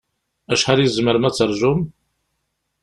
Acḥal i tzemrem ad taṛǧum?